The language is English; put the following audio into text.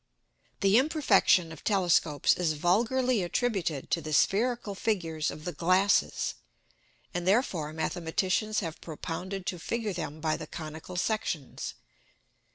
_ The Imperfection of Telescopes is vulgarly attributed to the spherical Figures of the Glasses, and therefore Mathematicians have propounded to figure them by the conical Sections.